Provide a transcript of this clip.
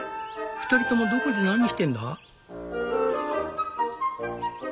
２人ともどこで何してんだ？」。